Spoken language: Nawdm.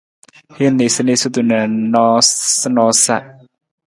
Hin niisaniisatu na noosanoosa.